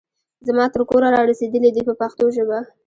زما تر کوره را رسېدلي دي په پښتو ژبه.